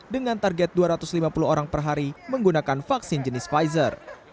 dengan target dua ratus lima puluh orang per hari menggunakan vaksin jenis pfizer